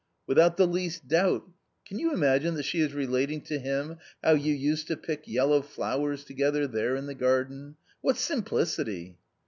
" Without the least doubt. Can you imagine that she is relating to him how you used to pick yellow flowers together there in the garden ? What simplicity